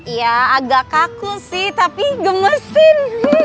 ya agak kaku sih tapi gemesin